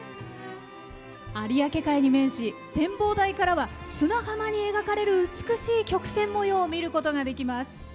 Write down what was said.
有明海に面し、展望台からは砂浜に描かれる美しい曲線模様を見ることができます。